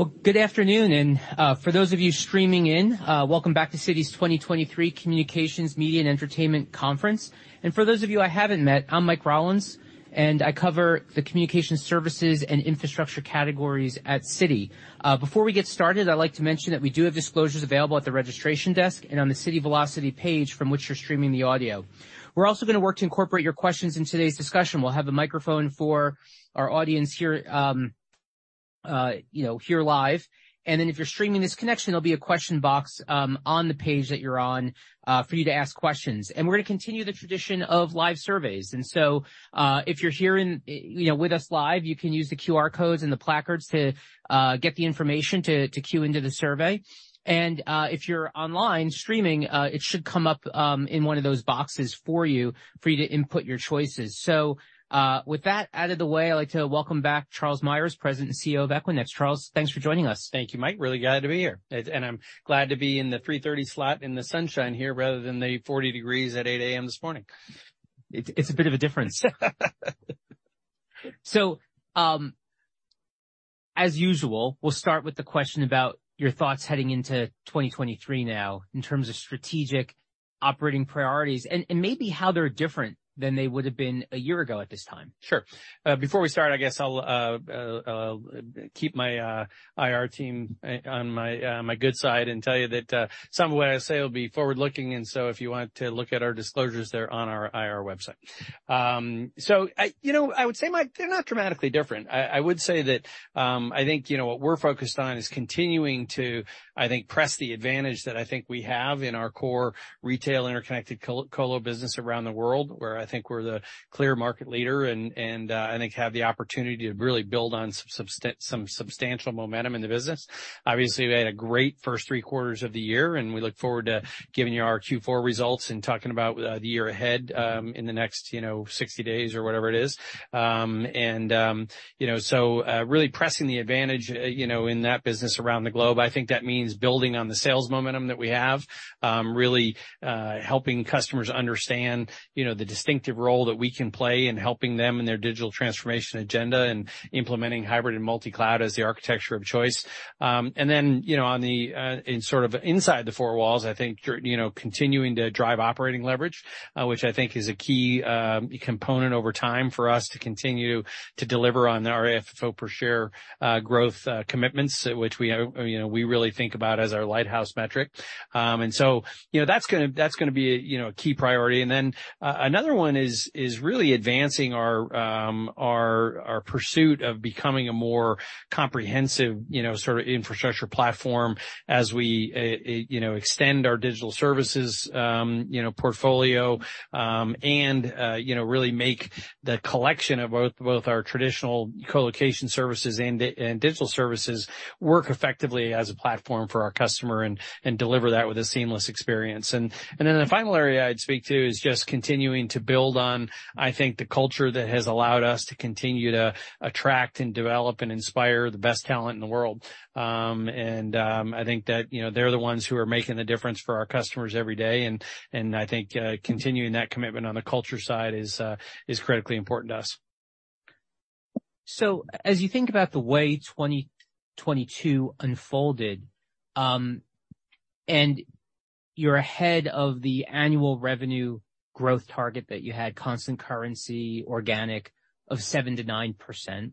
Well, good afternoon. For those of you streaming in, welcome back to Citi's 2023 Communications, Media, and Entertainment Conference. For those of you I haven't met, I'm Mike Rollins, and I cover the communication services and infrastructure categories at Citi. Before we get started, I'd like to mention that we do have disclosures available at the registration desk and on the Citi Velocity page from which you're streaming the audio. We're also gonna work to incorporate your questions in today's discussion. We'll have a microphone for our audience here, you know, here live. If you're streaming this connection, there'll be a question box on the page that you're on for you to ask questions. We're gonna continue the tradition of live surveys. If you're here in, you know, with us live, you can use the QR codes and the placards to get the information to queue into the survey. If you're online streaming, it should come up in one of those boxes for you to input your choices. With that out of the way, I'd like to welcome back Charles Meyers, President and CEO of Equinix. Charles, thanks for joining us. Thank you, Mike, really glad to be here. I'm glad to be in the 3:30 P.M. slot in the sunshine here rather than the 40 degrees at 8:00 A.M. this morning. It's a bit of a difference. As usual, we'll start with the question about your thoughts heading into 2023 now in terms of strategic operating priorities and maybe how they're different than they would've been a year ago at this time. Sure. Before we start, I guess I'll keep my IR team on my good side and tell you that some of what I say will be forward-looking. If you want to look at our disclosures, they're on our IR website. I, you know, I would say, Mike, they're not dramatically different. I would say that, I think, you know, what we're focused on is continuing to, I think, press the advantage that I think we have in our core retail interconnected colo business around the world, where I think we're the clear market leader and, I think have the opportunity to really build on some substantial momentum in the business. Obviously, we had a great first three quarters of the year, we look forward to giving you our Q4 results and talking about the year ahead, in the next, you know, 60 days or whatever it is. You know, really pressing the advantage, you know, in that business around the globe. I think that means building on the sales momentum that we have, really helping customers understand, you know, the distinctive role that we can play in helping them in their digital transformation agenda and implementing hybrid and multi-cloud as the architecture of choice. You know, on the, in sort of inside the four walls, I think you're, you know, continuing to drive operating leverage, which I think is a key component over time for us to continue to deliver on our FFO per share growth commitments, which we have, you know, we really think about as our lighthouse metric. You know, that's gonna be, you know, a key priority. Then, another one is really advancing our, our pursuit of becoming a more comprehensive, you know, sort of infrastructure platform as we, you know, extend our digital services, you know, portfolio, and, you know, really make the collection of both our traditional colocation services and digital services work effectively as a platform for our customer and deliver that with a seamless experience. Then the final area I'd speak to is just continuing to build on, I think, the culture that has allowed us to continue to attract and develop and inspire the best talent in the world. I think that, you know, they're the ones who are making the difference for our customers every day, and, I think, continuing that commitment on the culture side is, critically important to us. As you think about the way 2022 unfolded, and you're ahead of the annual revenue growth target that you had constant currency organic of 7%-9%,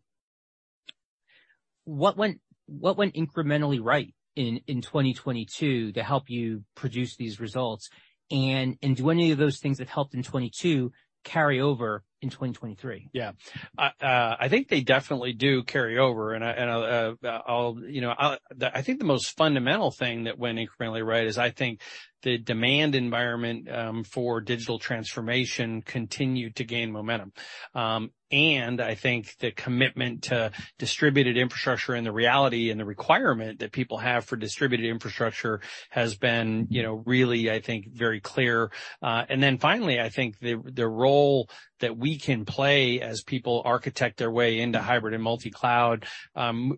what went incrementally right in 2022 to help you produce these results? Do any of those things that helped in 2022 carry over in 2023? Yeah. I think they definitely do carry over, and I, and I'll... You know, I think the most fundamental thing that went incrementally right is I think the demand environment for digital transformation continued to gain momentum. I think the commitment to distributed infrastructure and the reality and the requirement that people have for distributed infrastructure has been, you know, really, I think, very clear. Finally, I think the role that we can play as people architect their way into hybrid and multi-cloud,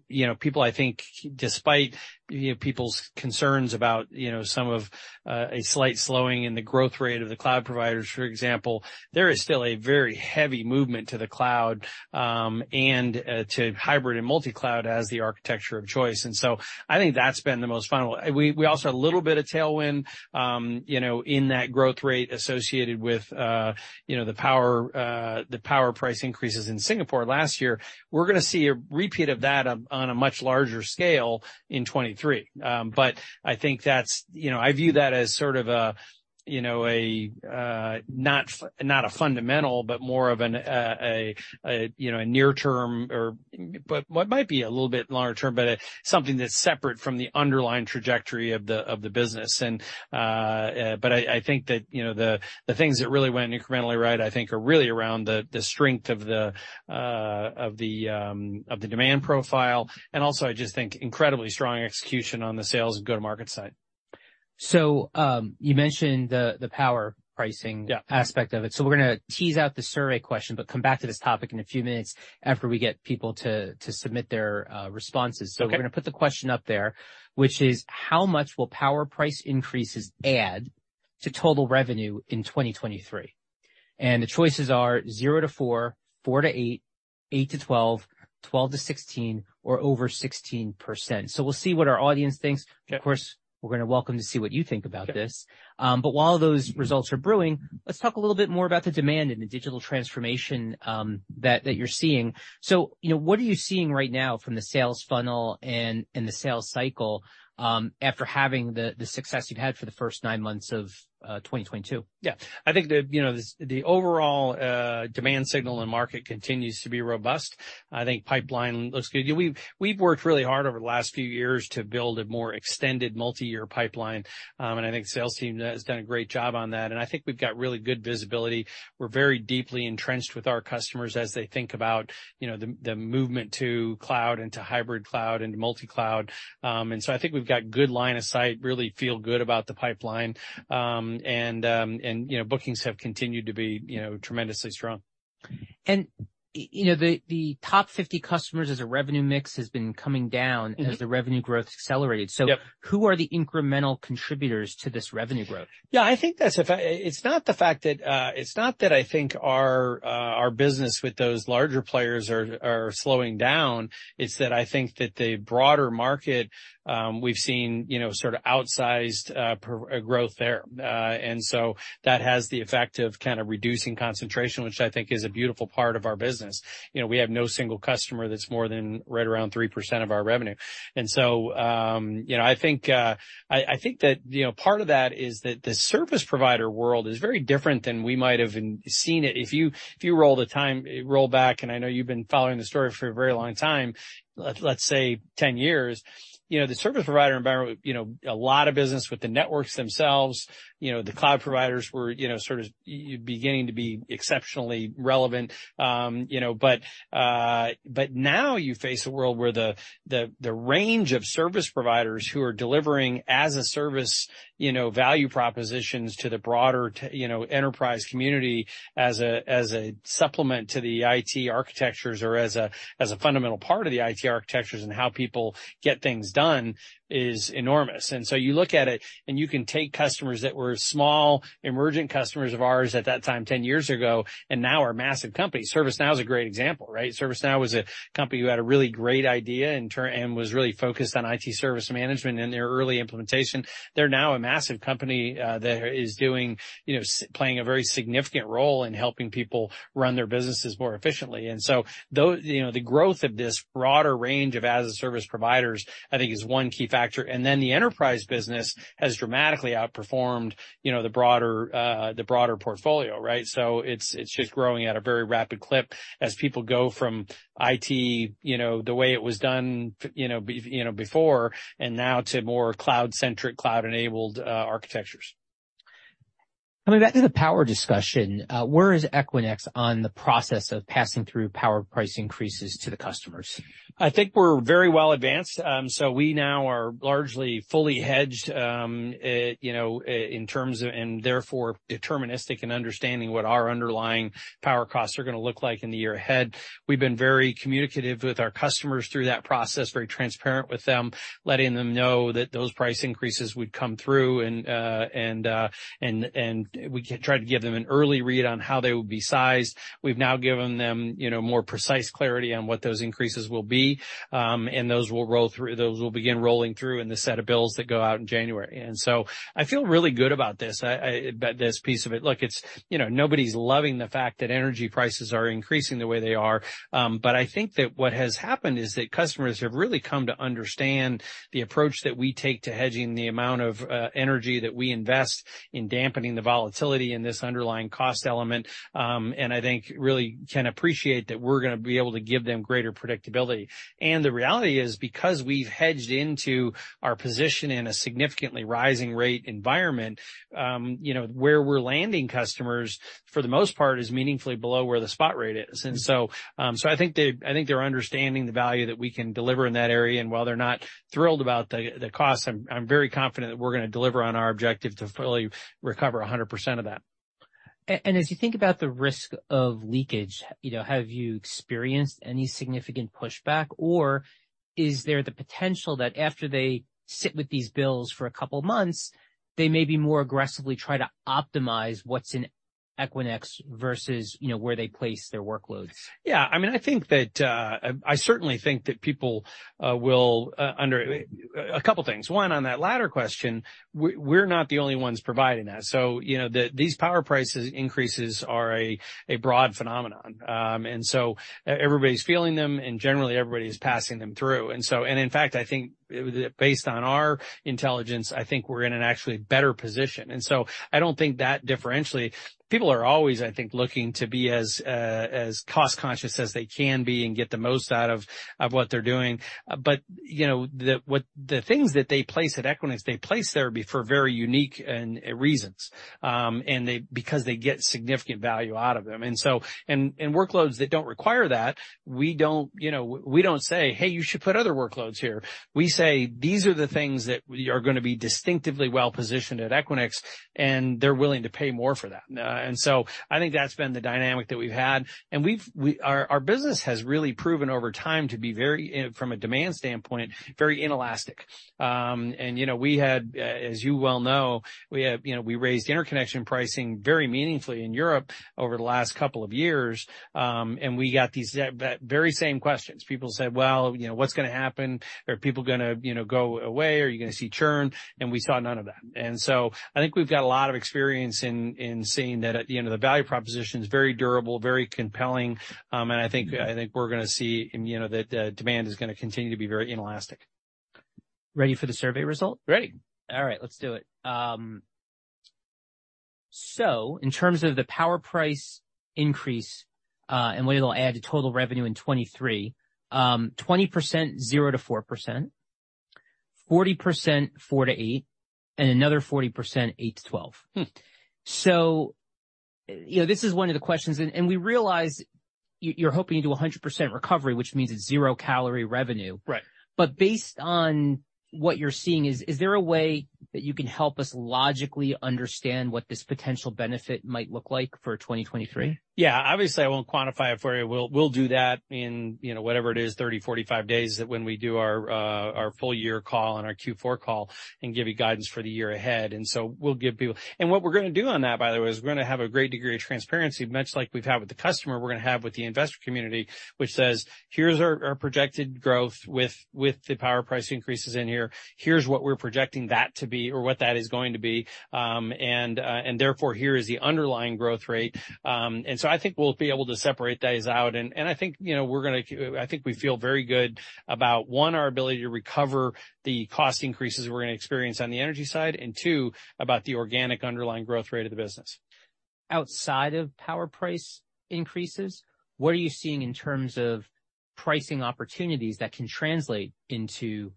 you know, people I think despite, you know, people's concerns about, you know, some of a slight slowing in the growth rate of the cloud providers, for example, there is still a very heavy movement to the cloud, and to hybrid and multi-cloud as the architecture of choice. I think that's been the most fundamental. We also had a little bit of tailwind, you know, in that growth rate associated with, you know, the power, the power price increases in Singapore last year. We're gonna see a repeat of that on a much larger scale in 2023. But I think that's, you know, I view that as sort of a, you know, not a fundamental, but more of a, you know, a near term or but what might be a little bit longer term, but something that's separate from the underlying trajectory of the business. But I think that, you know, the things that really went incrementally right, I think are really around the strength of the demand profile, and also I just think incredibly strong execution on the sales and go-to-market side. You mentioned the power pricing. Yeah. Aspect of it. We're gonna tease out the survey question, but come back to this topic in a few minutes after we get people to submit their responses. Okay. We're gonna put the question up there, which is how much will power price increases add to total revenue in 2023? The choices are 0%-4%, 4%-8%, 8%-12%, 12%-16% or over 16%. We'll see what our audience thinks. Okay. Of course, we're gonna welcome to see what you think about this. Okay. While those results are brewing, let's talk a little bit more about the demand in the digital transformation, that you're seeing. You know, what are you seeing right now from the sales funnel and the sales cycle, after having the success you've had for the first nine months of 2022? Yeah. I think the, you know, the overall demand signal in market continues to be robust. I think pipeline looks good. You know, we've worked really hard over the last few years to build a more extended multi-year pipeline. I think sales team has done a great job on that. I think we've got really good visibility. We're very deeply entrenched with our customers as they think about, you know, the movement to cloud and to hybrid cloud and multi-cloud. I think we've got good line of sight, really feel good about the pipeline. You know, bookings have continued to be, you know, tremendously strong. you know, the top 50 customers as a revenue mix has been coming down. Mm-hmm. The revenue growth accelerated. Yep. Who are the incremental contributors to this revenue growth? Yeah, I think that's a it's not the fact that it's not that I think our business with those larger players are slowing down. It's that I think that the broader market, we've seen, you know, sort of outsized growth there. That has the effect of kind of reducing concentration, which I think is a beautiful part of our business. You know, we have no single customer that's more than right around 3% of our revenue. So, you know, I think that, you know, part of that is that the service provider world is very different than we might have seen it. If you, if you roll the time, roll back, and I know you've been following this story for a very long time, let's say 10 years. You know, the service provider environment, you know, a lot of business with the networks themselves. You know, the cloud providers were, you know, sort of beginning to be exceptionally relevant. You know, but now you face a world where the range of service providers who are delivering as-a-service, you know, value propositions to the broader enterprise community as a, as a supplement to the IT architectures or as a, as a fundamental part of the IT architectures and how people get things done is enormous. So you look at it, and you can take customers that were small, emerging customers of ours at that time 10 years ago and now are massive companies. ServiceNow is a great example, right? ServiceNow was a company who had a really great idea and was really focused on IT service management in their early implementation. They're now a massive company that is doing, you know, playing a very significant role in helping people run their businesses more efficiently. The growth of this broader range of as-a-service providers, I think, is one key factor. The enterprise business has dramatically outperformed, you know, the broader, the broader portfolio, right? It's just growing at a very rapid clip as people go from IT, you know, the way it was done, you know, before and now to more cloud-centric, cloud-enabled architectures. Coming back to the power discussion, where is Equinix on the process of passing through power price increases to the customers? I think we're very well advanced. We now are largely fully hedged, you know, and therefore deterministic in understanding what our underlying power costs are gonna look like in the year ahead. We've been very communicative with our customers through that process, very transparent with them, letting them know that those price increases would come through and we tried to give them an early read on how they would be sized. We've now given them, you know, more precise clarity on what those increases will be. Those will begin rolling through in the set of bills that go out in January. I feel really good about this. About this piece of it. Look, it's, you know, nobody's loving the fact that energy prices are increasing the way they are. I think that what has happened is that customers have really come to understand the approach that we take to hedging the amount of energy that we invest in dampening the volatility in this underlying cost element. I think really can appreciate that we're gonna be able to give them greater predictability. The reality is, because we've hedged into our position in a significantly rising rate environment, you know, where we're landing customers, for the most part, is meaningfully below where the spot rate is. I think they're understanding the value that we can deliver in that area. While they're not thrilled about the cost, I'm very confident that we're gonna deliver on our objective to fully recover 100% of that. As you think about the risk of leakage, you know, have you experienced any significant pushback, or is there the potential that after they sit with these bills for a couple months, they may be more aggressively try to optimize what's in Equinix versus, you know, where they place their workloads? Yeah. I mean, I think that I certainly think that people. A couple things. One, on that latter question, we're not the only ones providing that. You know, these power prices increases are a broad phenomenon. Everybody's feeling them, and generally, everybody's passing them through. In fact, I think based on our intelligence, I think we're in an actually better position. I don't think that differentially. People are always, I think, looking to be as cost-conscious as they can be and get the most out of what they're doing. You know, the things that they place at Equinix, they place there be for very unique reasons. Because they get significant value out of them. Workloads that don't require that, we don't, you know, we don't say, "Hey, you should put other workloads here." We say, "These are the things that we are gonna be distinctively well-positioned at Equinix," and they're willing to pay more for that. So I think that's been the dynamic that we've had. Our business has really proven over time to be very, from a demand standpoint, very inelastic. You know, we had, as you well know, we have, you know, we raised Interconnection pricing very meaningfully in Europe over the last couple of years. We got these, that very same questions. People said, "Well, you know, what's gonna happen? Are people gonna, you know, go away? Are you gonna see churn?" We saw none of that. I think we've got a lot of experience in seeing that at the end of the value proposition is very durable, very compelling. Mm-hmm. I think we're gonna see, you know, that, demand is gonna continue to be very inelastic. Ready for the survey result? Ready. All right. Let's do it. In terms of the power price increase, and what it'll add to total revenue in 2023, 20%, 0%-4%, 40%, 4%-8%, and another 40%, 8%-12%. Hmm. you know, this is one of the questions. we realize you're hoping to do 100% recovery, which means it's zero calorie revenue. Right. Based on what you're seeing is there a way that you can help us logically understand what this potential benefit might look like for 2023? Yeah. Obviously, I won't quantify it for you. We'll do that in, you know, whatever it is, 30, 45 days when we do our full year call and our Q4 call and give you guidance for the year ahead. We'll give people... What we're gonna do on that, by the way, is we're gonna have a great degree of transparency, much like we've had with the customer, we're gonna have with the investor community, which says, "Here's our projected growth with the power price increases in here. Here's what we're projecting that to be or what that is going to be. And therefore, here is the underlying growth rate." I think we'll be able to separate those out. I think, you know, we feel very good about, one, our ability to recover the cost increases we're gonna experience on the energy side, and two, about the organic underlying growth rate of the business. Outside of power price increases, what are you seeing in terms of pricing opportunities that can translate into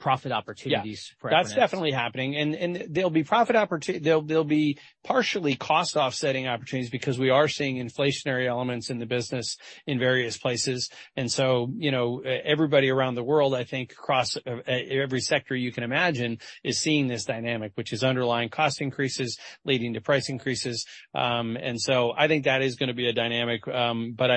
profit opportunities? Yes. For Equinix? That's definitely happening. There'll be partially cost offsetting opportunities because we are seeing inflationary elements in the business in various places. You know, everybody around the world, I think across every sector you can imagine, is seeing this dynamic, which is underlying cost increases leading to price increases. I think that is gonna be a dynamic.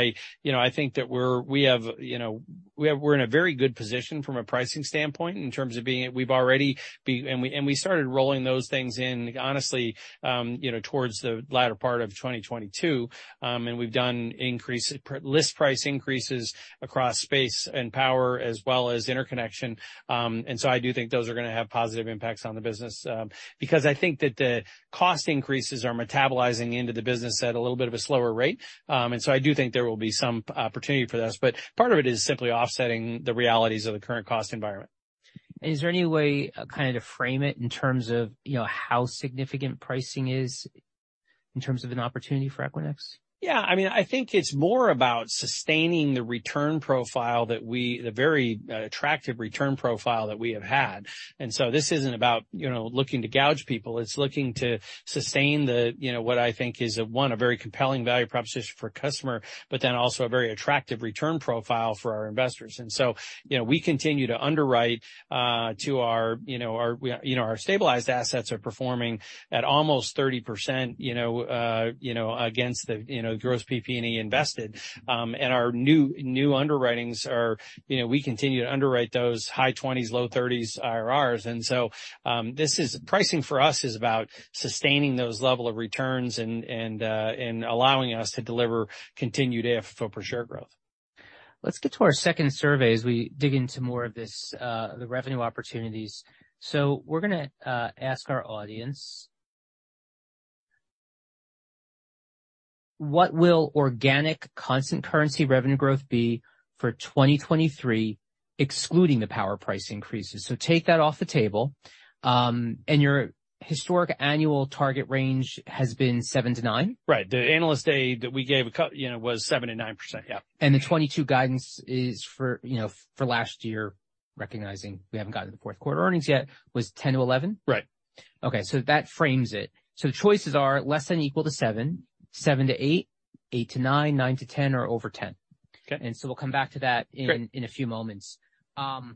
I, you know, I think that we have, you know, we're in a very good position from a pricing standpoint in terms of We've already and we started rolling those things in, honestly, you know, towards the latter part of 2022. We've done increase list price increases across Space and Power as well as Interconnection. I do think those are gonna have positive impacts on the business, because I think that the cost increases are metabolizing into the business at a little bit of a slower rate. I do think there will be some opportunity for this. Part of it is simply offsetting the realities of the current cost environment. Is there any way kind of to frame it in terms of, you know, how significant pricing is in terms of an opportunity for Equinix? Yeah. I mean, I think it's more about sustaining the return profile that we the very attractive return profile that we have had. This isn't about, you know, looking to gouge people. It's looking to sustain the, you know, what I think is, one, a very compelling value proposition for customer, but then also a very attractive return profile for our investors. We continue to underwrite to our, you know, our, we, you know, our stabilized assets are performing at almost 30%, you know, against the, you know, gross PP&E invested. And our new underwritings are, you know, we continue to underwrite those high 20s, low 30s IRRs. This is Pricing for us is about sustaining those level of returns and allowing us to deliver continued AFFO per share growth. Let's get to our second survey as we dig into more of this, the revenue opportunities. We're gonna ask our audience. What will organic constant currency revenue growth be for 2023, excluding the power price increases? Take that off the table. Your historic annual target range has been 7%-9%. Right. The Analyst Day that we gave you know, was 7%-9%. Yeah. The 2022 guidance is for, you know, for last year, recognizing we haven't gotten to the Q4 earnings yet, was 10%-11%. Right. Okay. That frames it. The choices are less than equal to 7, 7-8, 8-9, 9-10, or over 10. Okay. We'll come back to that. Great. In a few moments. As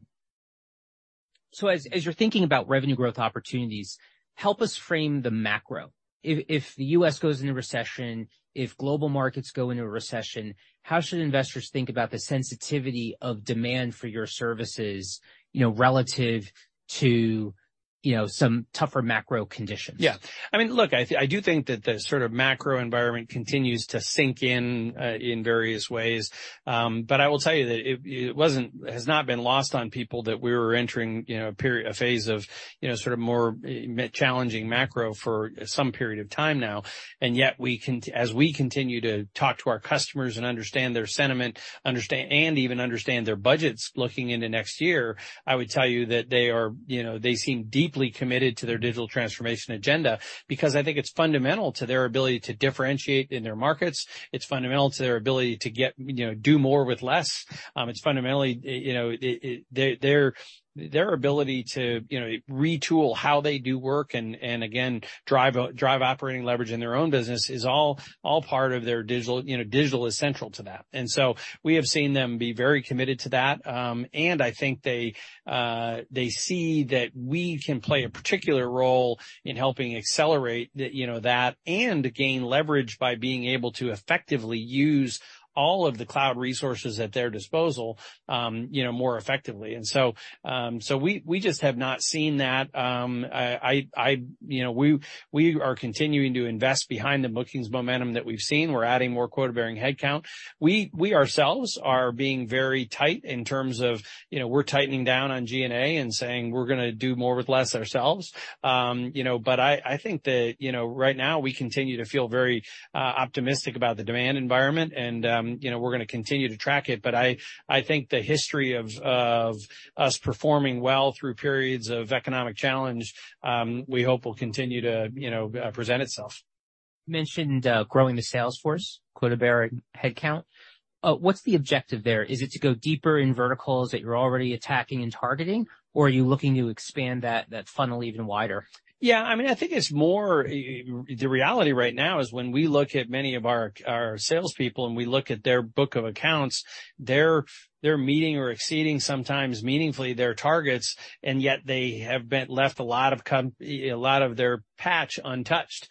you're thinking about revenue growth opportunities, help us frame the macro. If the US goes into recession, if global markets go into a recession, how should investors think about the sensitivity of demand for your services, you know, relative to, you know, some tougher macro conditions? Yeah. I mean, look, I do think that the sort of macro environment continues to sink in in various ways. I will tell you that it wasn't, has not been lost on people that we were entering, you know, a period, a phase of, you know, sort of more challenging macro for some period of time now. Yet as we continue to talk to our customers and understand their sentiment, understand, and even understand their budgets looking into next year, I would tell you that they are, you know, they seem deeply committed to their digital transformation agenda because I think it's fundamental to their ability to differentiate in their markets. It's fundamental to their ability to get, you know, do more with less. It's fundamentally, you know, their ability to, you know, retool how they do work and again, drive operating leverage in their own business is part of their digital. You know, digital is central to that. We have seen them be very committed to that. I think they see that we can play a particular role in helping accelerate the, you know, that and gain leverage by being able to effectively use all of the cloud resources at their disposal, you know, more effectively. We just have not seen that. You know, we are continuing to invest behind the bookings momentum that we've seen. We're adding more quota-bearing headcount. We ourselves are being very tight in terms of, you know, we're tightening down on G&A and saying we're gonna do more with less ourselves. I think that, you know, right now we continue to feel very optimistic about the demand environment and, you know, we're gonna continue to track it. I think the history of us performing well through periods of economic challenge, we hope will continue to, you know, present itself. You mentioned, growing the sales force, quota-bearing headcount. What's the objective there? Is it to go deeper in verticals that you're already attacking and targeting, or are you looking to expand that funnel even wider? Yeah, I mean, I think it's more The reality right now is when we look at many of our salespeople, and we look at their book of accounts, they're meeting or exceeding sometimes meaningfully their targets, and yet they have been left a lot of a lot of their patch untouched.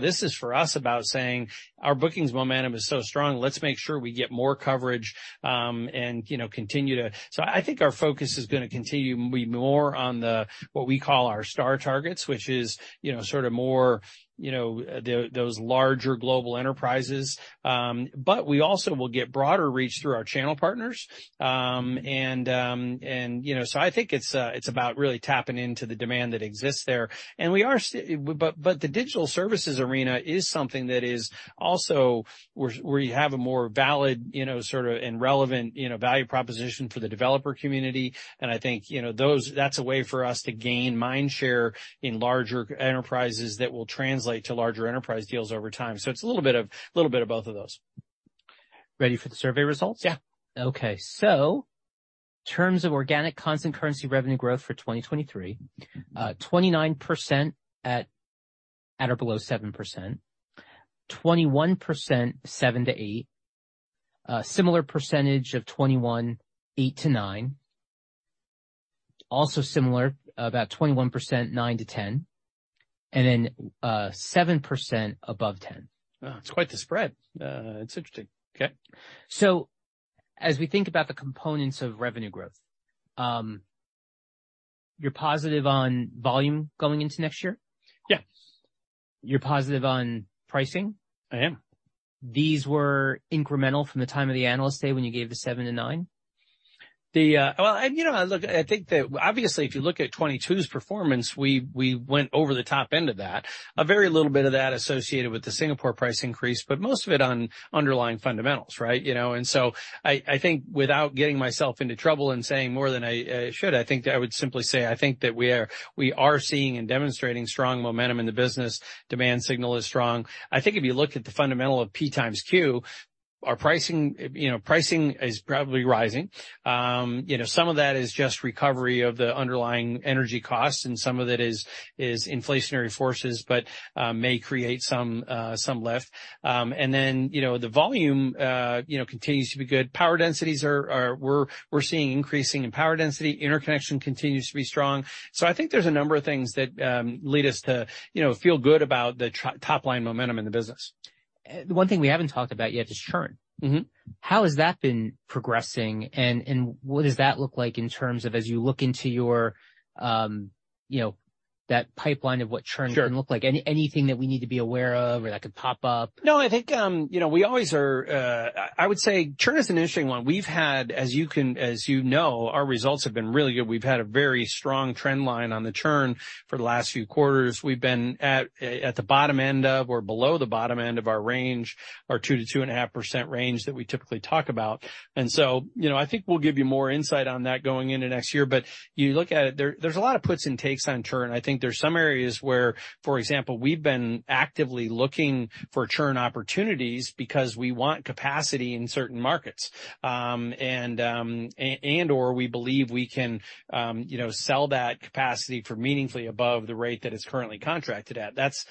This is for us about saying our bookings momentum is so strong, let's make sure we get more coverage, and, you know, continue to. I think our focus is gonna continue be more on the, what we call our STAR targets, which is, you know, sort of more, you know, those larger global enterprises. We also will get broader reach through our channel partners. You know, I think it's about really tapping into the demand that exists there. The digital services arena is something that is also where you have a more valid, you know, sort of, and relevant, you know, value proposition for the developer community. I think, you know, that's a way for us to gain mind share in larger enterprises that will translate to larger enterprise deals over time. It's a little bit of both of those. Ready for the survey results? Yeah. In terms of organic constant currency revenue growth for 2023, 29% at, or below 7%. 21%, 7%-8%. Similar percentage of 21%, 8%-9%. Also similar, about 21%, 9%-10%. Then 7% above 10. Wow, it's quite the spread. It's interesting. Okay. As we think about the components of revenue growth, you're positive on volume going into next year? Yes. You're positive on pricing? I am. These were incremental from the time of the Analyst Day when you gave the seven-nine. Well, you know, look, I think that obviously, if you look at 2022 performance, we went over the top end of that. A very little bit of that associated with the Singapore price increase, but most of it on underlying fundamentals, right? You know, I think without getting myself into trouble and saying more than I should, I think I would simply say, I think that we are seeing and demonstrating strong momentum in the business. Demand signal is strong. I think if you look at the fundamental of PxQ, our pricing, you know, pricing is probably rising. You know, some of that is just recovery of the underlying energy costs, and some of it is inflationary forces, but may create some lift. you know, the volume, you know, continues to be good. Power densities are we're seeing increasing in power density. Interconnection continues to be strong. I think there's a number of things that lead us to, you know, feel good about the top-line momentum in the business. One thing we haven't talked about yet is churn. Mm-hmm. How has that been progressing? And what does that look like in terms of as you look into your, you know, that pipeline of what. Sure. can look like? Anything that we need to be aware of or that could pop up? I think, you know, we always are. I would say churn is an interesting one. We've had, as you know, our results have been really good. We've had a very strong trend line on the churn for the last few quarters. We've been at the bottom end of or below the bottom end of our range, our 2%-2.5% range that we typically talk about. You know, I think we'll give you more insight on that going into next year. You look at it, there's a lot of puts and takes on churn. I think there's some areas where, for example, we've been actively looking for churn opportunities because we want capacity in certain markets. We believe we can, you know, sell that capacity for meaningfully above the rate that it's currently contracted at. That's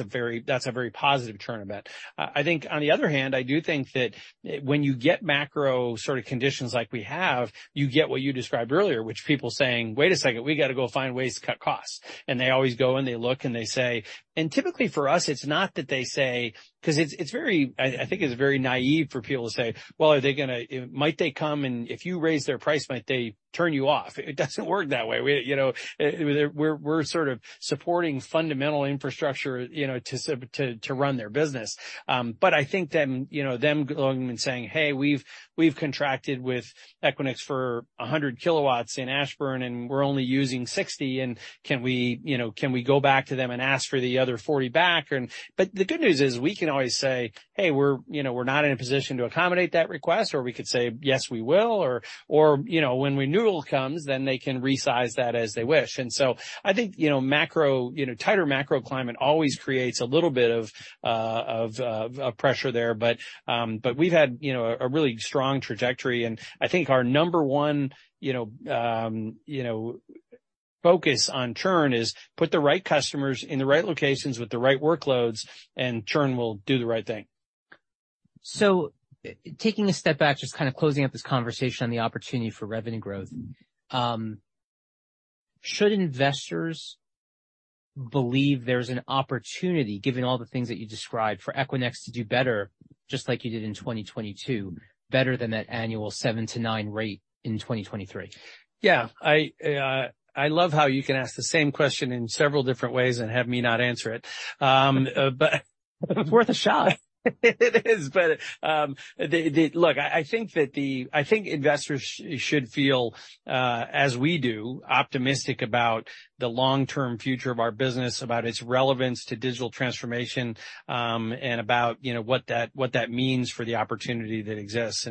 a very positive churn event. I think on the other hand, I do think that when you get macro sort of conditions like we have, you get what you described earlier, which people saying, "Wait a second, we got to go find ways to cut costs." They always go, and they look, and they say... And typically for us, it's not that they say... 'Cause it's very-- I think it's very naive for people to say, well, are they gonna, might they come, and if you raise their price, might they turn you off? It doesn't work that way. We, you know, we're sort of supporting fundamental infrastructure, you know, to run their business. I think then, you know, them going and saying, "Hey, we've contracted with Equinix for 100 kilowatts in Ashburn, and we're only using 60, and can we, you know, can we go back to them and ask for the other 40 back?" The good news is we can always say, "Hey, we're, you know, we're not in a position to accommodate that request." We could say, "Yes, we will." You know, when renewal comes, then they can resize that as they wish. I think, you know, macro, you know, tighter macro climate always creates a little bit of pressure there. We've had, you know, a really strong trajectory, and I think our number one, you know, you know, focus on churn is put the right customers in the right locations with the right workloads, and churn will do the right thing. Taking a step back, just kind of closing up this conversation on the opportunity for revenue growth. Should investors believe there's an opportunity, given all the things that you described, for Equinix to do better, just like you did in 2022, better than that annual 7%-9% rate in 2023? Yeah. I love how you can ask the same question in several different ways and have me not answer it. It's worth a shot. It is. I think investors should feel, as we do, optimistic about the long-term future of our business, about its relevance to digital transformation, and about, you know, what that means for the opportunity that exists.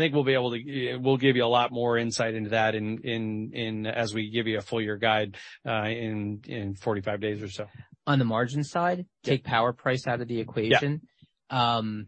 I think we'll be able to give you a lot more insight into that as we give you a full year guide in 45 days or so. On the margin side. Yeah. take power price out of the equation. Yeah. How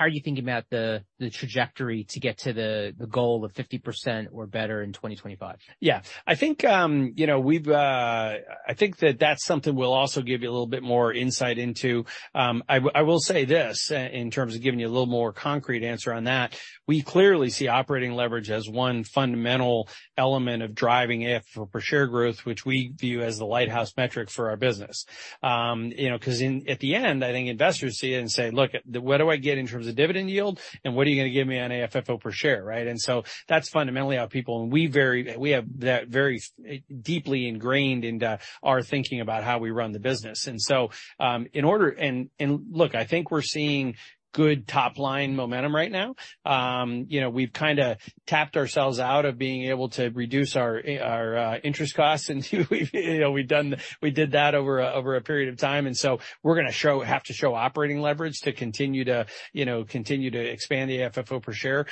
are you thinking about the trajectory to get to the goal of 50% or better in 2025? Yeah. I think, you know, I think that that's something we'll also give you a little bit more insight into. I will say this in terms of giving you a little more concrete answer on that. We clearly see operating leverage as one fundamental element of driving AFFO share growth, which we view as the lighthouse metric for our business. You know, 'cause at the end, I think investors see it and say, "What do I get in terms of dividend yield, and what are you gonna give me on AFFO per share?" Right? That's fundamentally how people... We have that very deeply ingrained into our thinking about how we run the business. In order... look, I think we're seeing good top line momentum right now. You know, we've kinda tapped ourselves out of being able to reduce our interest costs, and you know, we did that over a period of time. We're gonna have to show operating leverage to continue to, you know, continue to expand the AFFO per share.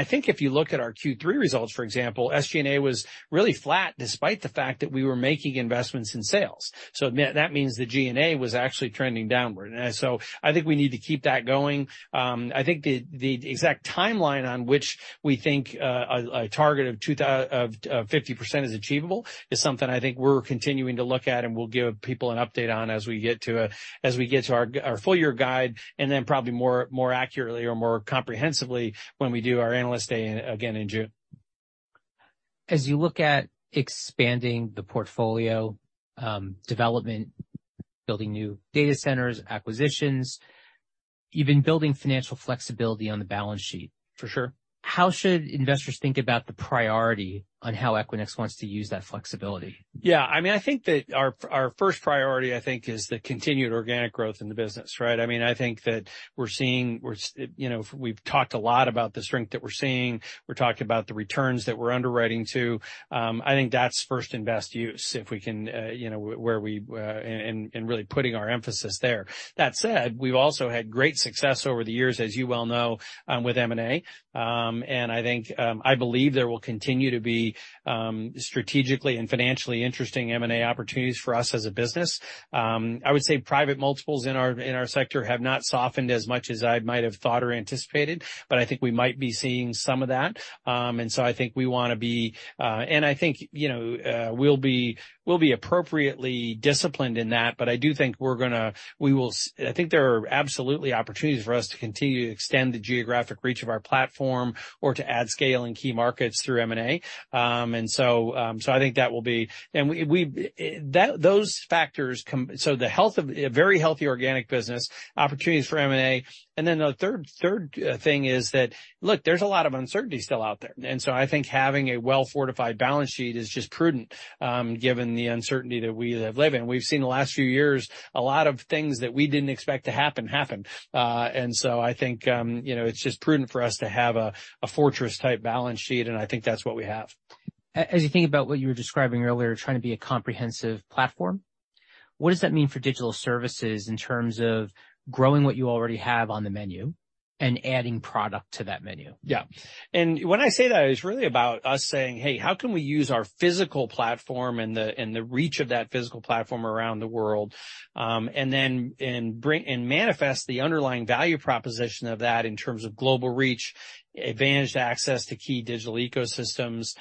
I think if you look at our Q3 results, for example, SG&A was really flat despite the fact that we were making investments in sales. That means the G&A was actually trending downward. I think we need to keep that going. I think the exact timeline on which we think a target of 50% is achievable is something I think we're continuing to look at. We'll give people an update on as we get to our full year guide. Then probably more, more accurately or more comprehensively when we do our Analyst Day again in June. As you look at expanding the portfolio, development, building new data centers, acquisitions, even building financial flexibility on the balance sheet. For sure. how should investors think about the priority on how Equinix wants to use that flexibility? Yeah. I mean, I think that our first priority, I think, is the continued organic growth in the business, right? I mean, I think that we're seeing, you know, we've talked a lot about the strength that we're seeing. We're talking about the returns that we're underwriting to. I think that's first and best use if we can, you know, where we, and really putting our emphasis there. That said, we've also had great success over the years, as you well know, with M&A. I think, I believe there will continue to be strategically and financially interesting M&A opportunities for us as a business. I would say private multiples in our, in our sector have not softened as much as I might have thought or anticipated, but I think we might be seeing some of that. I think we wanna be, and I think, you know, we'll be appropriately disciplined in that, but I do think we're gonna, we will I think there are absolutely opportunities for us to continue to extend the geographic reach of our platform or to add scale in key markets through M&A. I think that will be. We, those factors. So the health of a very healthy organic business, opportunities for M&A. The third thing is that, look, there's a lot of uncertainty still out there. I think having a well-fortified balance sheet is just prudent, given the uncertainty that we live in. We've seen the last few years a lot of things that we didn't expect to happen. I think, you know, it's just prudent for us to have a fortress-type balance sheet, and I think that's what we have. As you think about what you were describing earlier, trying to be a comprehensive platform, what does that mean for digital services in terms of growing what you already have on the menu and adding product to that menu? Yeah. When I say that, it's really about us saying, Hey, how can we use our physical platform and the reach of that physical platform around the world, and then manifest the underlying value proposition of that in terms of global reach, advantaged access to key digital ecosystems,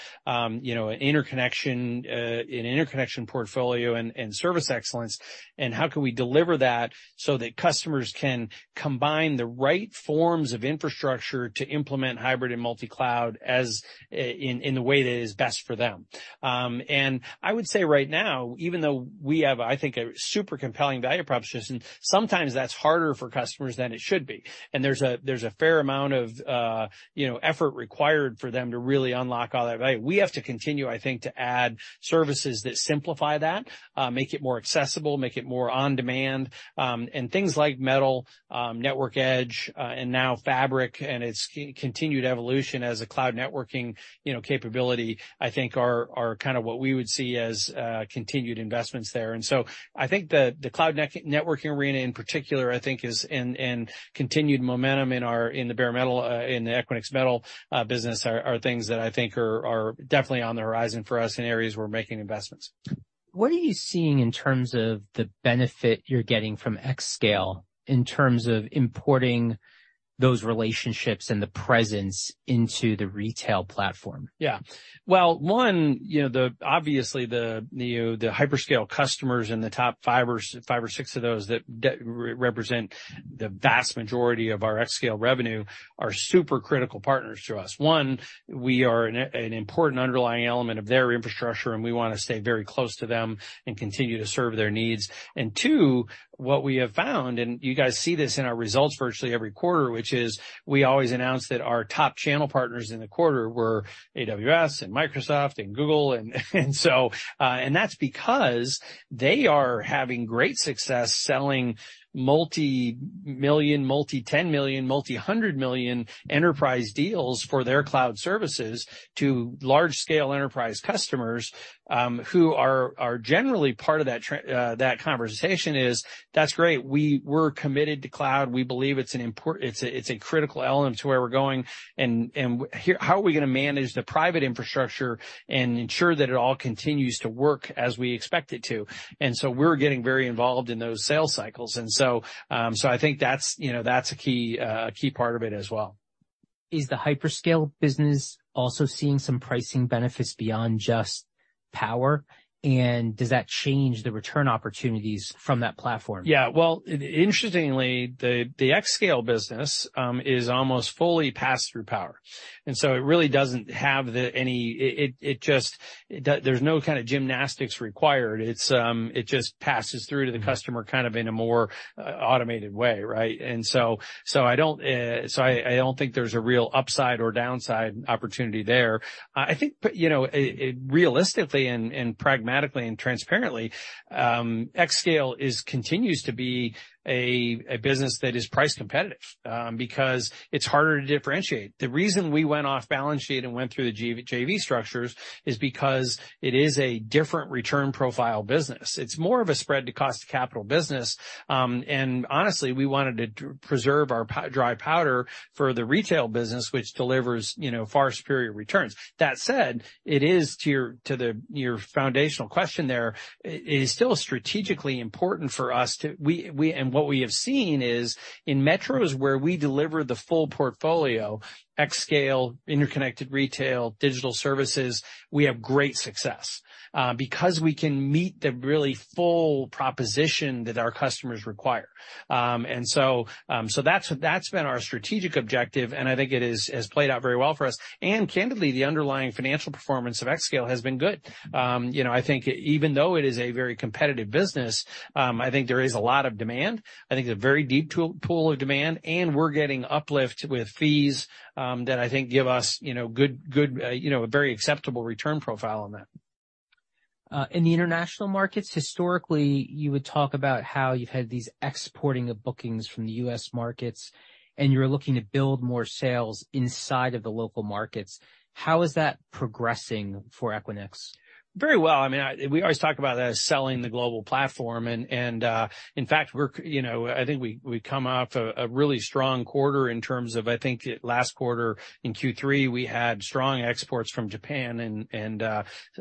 you know, interconnection, an interconnection portfolio and service excellence, and how can we deliver that so that customers can combine the right forms of infrastructure to implement hybrid and multi-cloud as in the way that is best for them? I would say right now, even though we have, I think, a super compelling value proposition, sometimes that's harder for customers than it should be. There's a fair amount of, you know, effort required for them to really unlock all that value. We have to continue, I think, to add services that simplify that, make it more accessible, make it more on-demand. Things like Metal, Network Edge, and now Fabric and its continued evolution as a cloud networking, you know, capability, I think are kinda what we would see as continued investments there. I think the cloud networking arena in particular, I think is and continued momentum in our, in the bare metal, in the Equinix Metal business are things that I think are definitely on the horizon for us in areas we're making investments. What are you seeing in terms of the benefit you're getting from xScale in terms of importing those relationships and the presence into the retail platform? Well, one, you know, the, obviously the new, the hyperscale customers in the top five or six of those that represent the vast majority of our xScale revenue are super critical partners to us. One, we are an important underlying element of their infrastructure, and we wanna stay very close to them and continue to serve their needs. Two, what we have found, and you guys see this in our results virtually every quarter, which is we always announce that our top channel partners in the quarter were AWS and Microsoft and Google and that's because they are having great success selling multi-million, multi-$10 million, multi-$100 million enterprise deals for their cloud services to large scale enterprise customers, who are generally part of that conversation is, that's great. We're committed to cloud. We believe it's a, it's a critical element to where we're going, and how are we gonna manage the private infrastructure and ensure that it all continues to work as we expect it to? We're getting very involved in those sales cycles. So I think that's, you know, that's a key, a key part of it as well. Is the hyperscale business also seeing some pricing benefits beyond just power? Does that change the return opportunities from that platform? Yeah. Interestingly, the xScale business is almost fully passed through power. It really doesn't have any. It just. There's no kind of gymnastics required. It's it just passes through to the customer kind of in a more automated way, right? I don't think there's a real upside or downside opportunity there. I think, you know, realistically and pragmatically and transparently, xScale is continues to be a business that is price competitive because it's harder to differentiate. The reason we went off balance sheet and went through the JV structures is because it is a different return profile business. It's more of a spread to cost to capital business. Honestly, we wanted to preserve our dry powder for the retail business, which delivers, you know, far superior returns. That said, it is to your foundational question there, it is still strategically important for us to. What we have seen is in metros where we deliver the full portfolio, xScale, interconnected retail, digital services, we have great success because we can meet the really full proposition that our customers require. So that's been our strategic objective, and I think it is, has played out very well for us. Candidly, the underlying financial performance of xScale has been good. You know, I think even though it is a very competitive business, I think there is a lot of demand. I think there's a very deep tool, pool of demand, and we're getting uplift with fees, that I think give us, you know, good, you know, a very acceptable return profile on that. In the international markets, historically, you would talk about how you've had these exporting of bookings from the U.S. markets, and you're looking to build more sales inside of the local markets. How is that progressing for Equinix? Very well. I mean, we always talk about selling the global platform and, in fact, we, you know, I think we come off a really strong quarter in terms of, I think, last quarter in Q3, we had strong exports from Japan and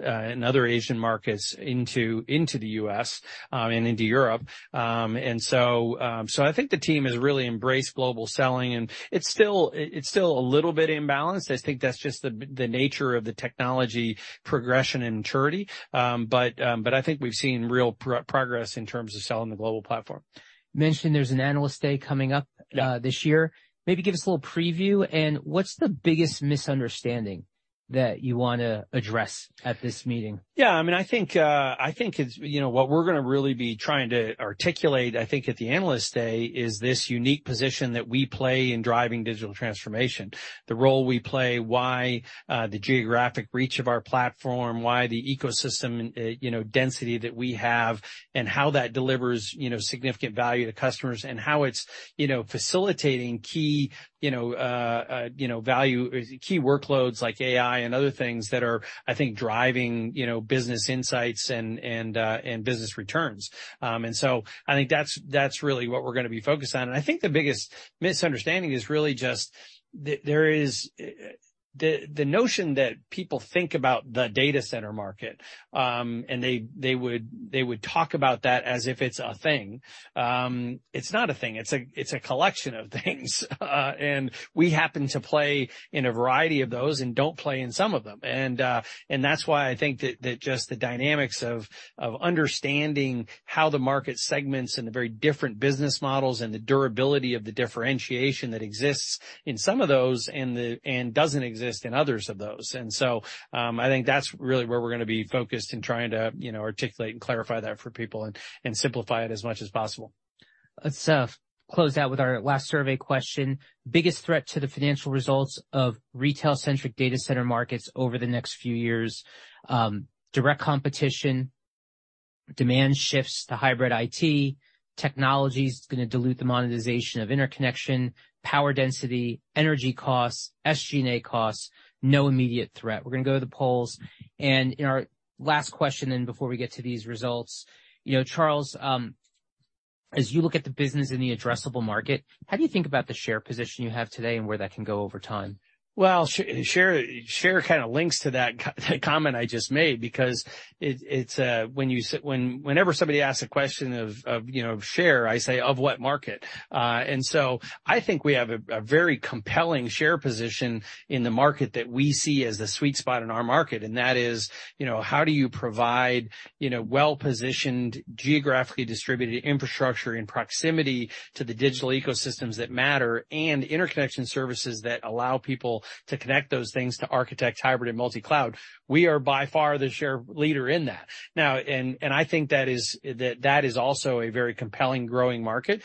other Asian markets into the U.S., and into Europe. So I think the team has really embraced global selling, and it's still a little bit imbalanced. I think that's just the nature of the technology progression and maturity. I think we've seen real progress in terms of selling the global platform. You mentioned there's an Analyst Day coming up. Yeah. this year. Maybe give us a little preview and what's the biggest misunderstanding that you wanna address at this meeting? Yeah, I mean, I think, I think it's, you know, what we're gonna really be trying to articulate, I think, at the Analyst Day is this unique position that we play in driving digital transformation. The role we play, why, the geographic reach of our platform, why the ecosystem, you know, density that we have and how that delivers, you know, significant value to customers and how it's, you know, facilitating key, you know, value, key workloads like AI and other things that are, I think, driving, you know, business insights and business returns. I think that's really what we're gonna be focused on. I think the biggest misunderstanding is really just there is... The notion that people think about the data center market, and they would talk about that as if it's a thing. It's not a thing. It's a collection of things. We happen to play in a variety of those and don't play in some of them. That's why I think that just the dynamics of understanding how the market segments and the very different business models and the durability of the differentiation that exists in some of those and doesn't exist in others of those. I think that's really where we're gonna be focused in trying to, you know, articulate and clarify that for people and simplify it as much as possible. Let's close out with our last survey question. Biggest threat to the financial results of retail-centric data center markets over the next few years: direct competition, demand shifts to hybrid IT, technology's gonna dilute the monetization of Interconnection, power density, energy costs, SG&A costs, no immediate threat. We're gonna go to the polls. In our last question in before we get to these results, you know, Charles, as you look at the business in the addressable market, how do you think about the share position you have today and where that can go over time? Well, share kind of links to that comment I just made because it's, whenever somebody asks a question of, you know, share, I say, "Of what market?" I think we have a very compelling share position in the market that we see as the sweet spot in our market. That is, you know, how do you provide, you know, well-positioned, geographically distributed infrastructure in proximity to the digital ecosystems that matter and interconnection services that allow people to connect those things to architect hybrid and multi-cloud? We are by far the share leader in that. Now, I think that is also a very compelling growing market.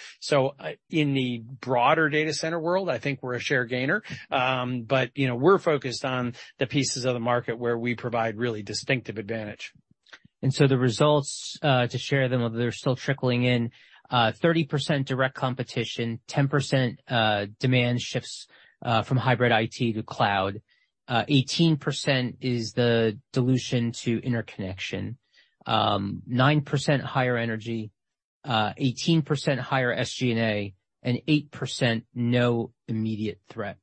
In the broader data center world, I think we're a share gainer. You know, we're focused on the pieces of the market where we provide really distinctive advantage. The results, to share them, they're still trickling in. 30% direct competition, 10% demand shifts from hybrid IT to cloud, 18% is the dilution to interconnection, 9% higher energy, 18% higher SG&A, and 8% no immediate threat.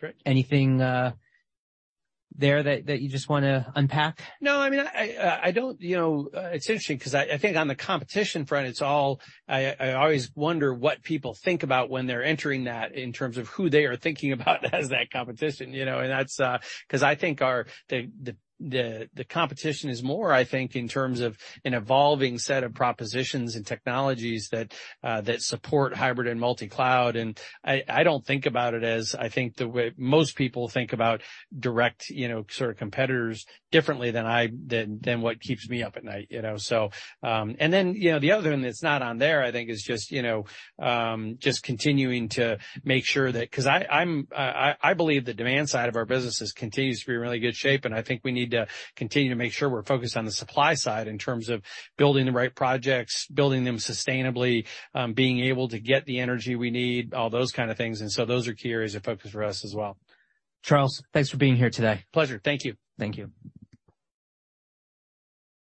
Sure. Anything, there that you just wanna unpack? No, I mean, I don't, you know, it's interesting 'cause I think on the competition front. I always wonder what people think about when they're entering that in terms of who they are thinking about as that competition, you know? That's, 'cause I think the competition is more, I think, in terms of an evolving set of propositions and technologies that support hybrid and multi-cloud, and I don't think about it as. I think the way most people think about direct, you know, sort of competitors differently than what keeps me up at night, you know? Then, you know, the other one that's not on there, I think, is just, you know, just continuing to make sure that. 'Cause I believe the demand side of our business continues to be in really good shape, and I think we need to continue to make sure we're focused on the supply side in terms of building the right projects, building them sustainably, being able to get the energy we need, all those kind of things. Those are key areas of focus for us as well. Charles, thanks for being here today. Pleasure. Thank you. Thank you.